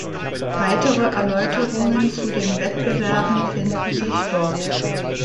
Weitere Erläuterungen zu den Wettbewerben finden sich dort.